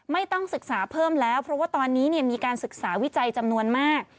ไม่ต้องศึกษาเพิ่มแล้วเพราะว่าตอนนี้มีการศึกษาวิจัยจำนวนมาก